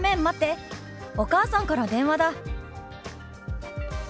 お母さんから電話だ」。